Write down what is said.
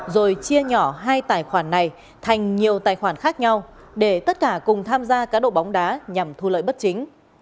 rồi chia nhỏ hai tài khoản này thành nhiều tài khoản khác nhau để tất cả cùng tham gia cá độ bóng đá nhằm thu lợi bất chính